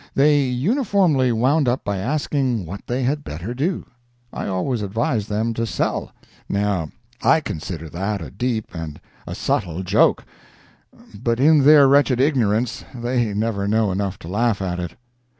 They uniformly wound up by asking what they had better do. I always advise them to sell. Now I consider that a deep and a subtle joke, but in their wretched ignorance they never know enough to laugh at it.